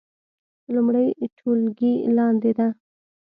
لومړۍ ټولګی لاندې ده